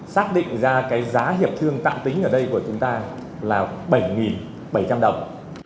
xác định ra cái giá hiệp thương tạm tính ở đây của chúng ta là bảy bảy trăm linh đồng